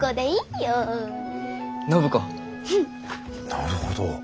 なるほど。